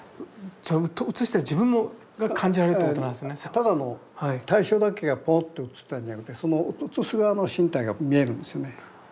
ただの対象だけがポッと写ったんじゃなくてその写す側の心体が見えるんですよね。